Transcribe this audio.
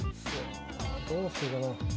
どうしようかな。